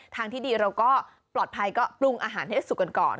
ทางที่ดีเราก็ปลอดภัยก็ปรุงอาหารให้สุกกันก่อน